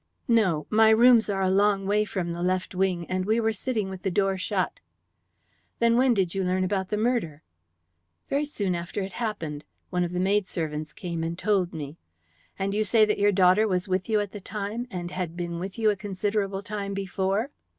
"No, my rooms are a long way from the left wing, and we were sitting with the door shut." "Then when did you learn about the murder?" "Very soon after it happened. One of the maidservants came and told me." "And you say that your daughter was with you at the time, and had been with you a considerable time before?"